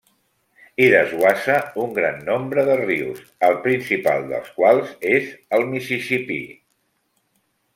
Hi desguassa un gran nombre de rius, el principal dels quals és el Mississipí.